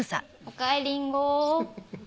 「おかえりんご」